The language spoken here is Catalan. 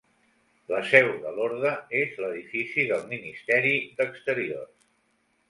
La seu de l'orde és l'edifici del Ministeri d'Exteriors.